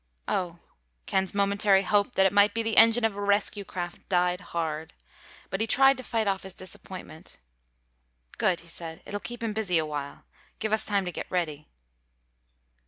"Oh." Ken's momentary hope that it might be the engine of a rescue craft died hard. But he tried to fight off his disappointment. "Good," he said. "It'll keep him busy awhile. Give us time to get ready."